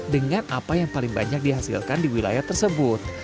dengan apa yang paling banyak dihasilkan di wilayah tersebut